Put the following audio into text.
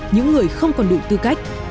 những người không còn đủ tư cách